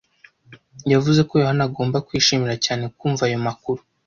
Yavuze ko Yohana agomba kwishimira cyane kumva ayo makuru.